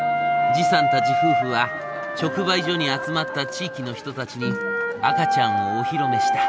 さんたち夫婦は直売所に集まった地域の人たちに赤ちゃんをお披露目した。